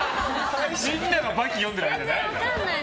みんなが「刃牙」読んでるわけじゃないから。